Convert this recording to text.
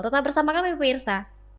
tetap bersama kami pemirsa